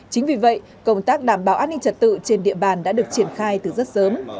chính vì vậy công tác đảm bảo an ninh trật tự trên địa bàn đã được triển khai từ rất sớm